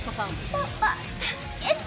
パパ助けて。